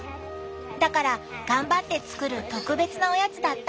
だから頑張って作る特別なおやつだったって聞いた。